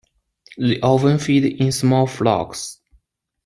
They often feed in small flocks.